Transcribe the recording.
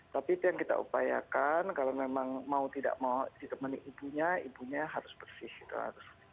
tapi itu yang kita upayakan kalau memang mau tidak mau ditemani ibunya ibunya harus bersih gitu